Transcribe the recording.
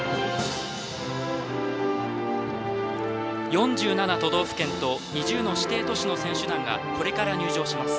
４７都道府県と２０の指定都市の選手団がこれから入場します。